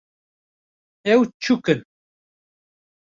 Ev çûk in